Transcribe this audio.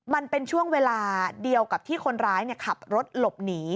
มันเป็นช่วงเวลาเดียวกับที่คนร้ายขับรถหลบหนี